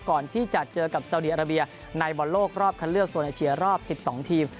ก่อนที่จะเจอกับสาวดีอาราเบียในบอลโลกรอบคันเลือกโซนอาเจียรอบ๑๒ทีม